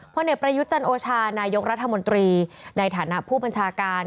เด็กประยุทธ์จันโอชานายกรัฐมนตรีในฐานะผู้บัญชาการ